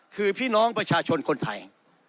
คือพี่น้องประชาชนคนไทย